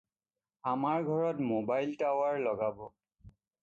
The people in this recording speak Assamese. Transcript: আমাৰ ঘৰত ম'বাইল টাৱাৰ লগাব।